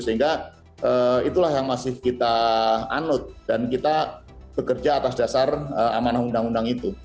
sehingga itulah yang masih kita anut dan kita bekerja atas dasar amanah undang undang itu